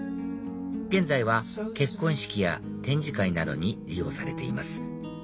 現在は結婚式や展示会などに利用されています